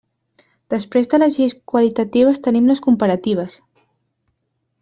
Després de les lleis qualitatives tenim les comparatives.